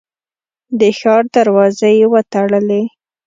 د ښار دروازې یې وتړلې.